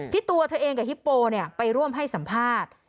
ตัวเธอเองกับฮิปโปไปร่วมให้สัมภาษณ์